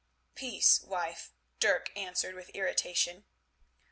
"Peace, wife," Dirk answered with irritation.